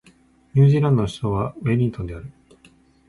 ニュージーランドの首都はウェリントンである